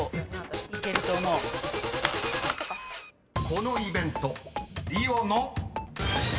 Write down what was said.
［このイベント］